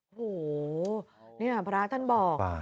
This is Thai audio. โอ้โหนี่พระอาทันตร์บอก